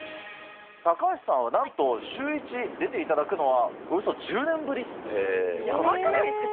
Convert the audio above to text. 高橋さんはなんと、シューイチ出ていただくのは、およそ１０年ぶやばくないですか？